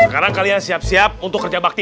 sekarang kalian siap siap untuk kerja bakti